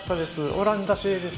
オランダ製です。